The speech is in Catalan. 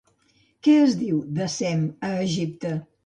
Què es diu de Sem a l'Egipte?